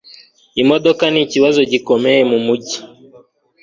Imodoka nikibazo gikomeye mumijyi